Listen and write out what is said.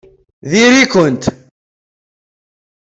Diri-kent!